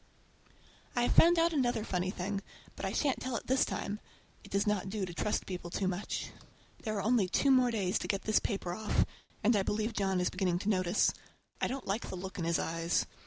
I have found out another funny thing, but I shan't tell it this time! It does not do to trust people too much. There are only two more days to get this paper off, and I believe John is beginning to notice. I don't like the look in his eyes.